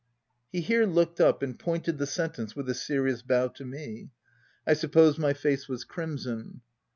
He here looked up and pointed the sen tence with a serious bow to me. I suppose my face was crimson.